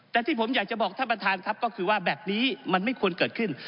แต่ที่ผมอยากจะบอกท่านประธานครับก็คือว่าแบบนี้มันไม่ควรเกิดขึ้น